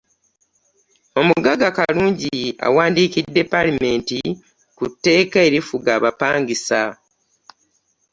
Omugagga kalungi awandiikidde palamenti ku tteeka erifuga abapangisa.